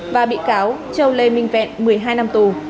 và bị cáo châu lê minh vẹn một mươi hai năm tù